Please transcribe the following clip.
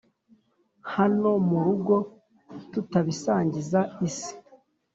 hano mu rugo tutabisangiza Isi